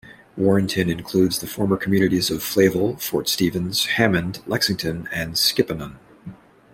Warrenton includes the former communities of Flavel, Fort Stevens, Hammond, Lexington, and Skipanon.